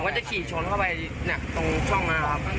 ผมก็จะขี่ชวนเข้าไปเนี่ยตรงช่องนะครับ